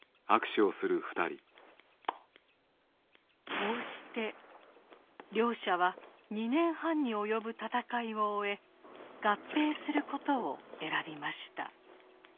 こうして両社は２年半に及ぶ戦いを終え合併することを選びました。